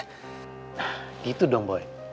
nah gitu dong boy